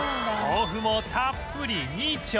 豆腐もたっぷり２丁